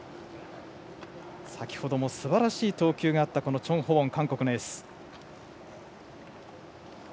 先ほどもすばらしい投球があったチョン・ホウォン、韓国のエース。